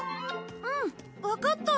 うんわかった。